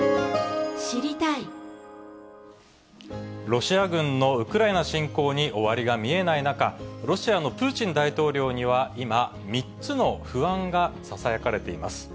ロシア軍のウクライナ侵攻に終わりが見えない中、ロシアのプーチン大統領には今、３つの不安がささやかれています。